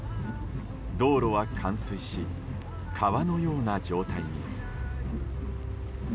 道路は冠水し川のような状態に。